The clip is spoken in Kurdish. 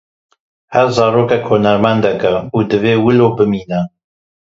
Her zarokek hunermendek e, û divê wilo bimîne.